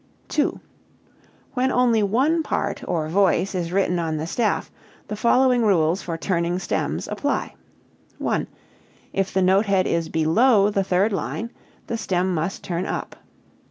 2. When only one part (or voice) is written on the staff, the following rules for turning stems apply: (1) If the note head is below the third line, the stem must turn up.